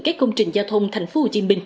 các công trình giao thông tp hcm